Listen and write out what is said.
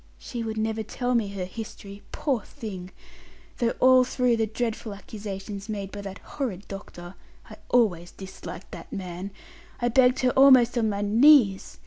She would never tell me her history, poor thing, though all through the dreadful accusations made by that horrid doctor I always disliked that man I begged her almost on my knees.